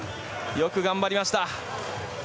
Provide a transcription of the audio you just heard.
よく頑張りました。